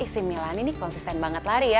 si milani ini konsisten banget lari ya